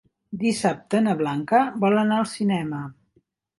Dissabte na Blanca vol anar al cinema.